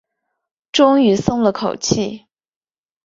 终于松了口气